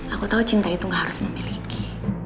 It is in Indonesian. aku tahu cinta itu gak harus memiliki